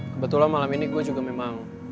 kebetulan malam ini gue juga memang